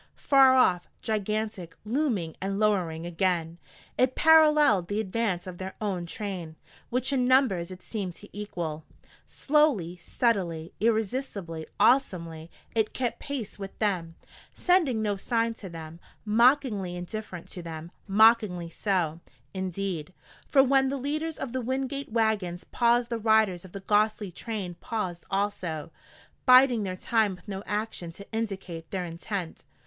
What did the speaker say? Far off, gigantic, looming and lowering again, it paralleled the advance of their own train, which in numbers it seemed to equal. Slowly, steadily, irresistibly, awesomely, it kept pace with them, sending no sign to them, mockingly indifferent to them mockingly so, indeed; for when the leaders of the Wingate wagons paused the riders of the ghostly train paused also, biding their time with no action to indicate their intent.